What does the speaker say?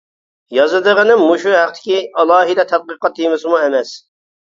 يازىدىغىنىم مۇشۇ ھەقتىكى ئالاھىدە تەتقىقات تېمىسىمۇ ئەمەس.